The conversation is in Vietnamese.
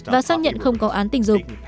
và xác nhận không có án tình dục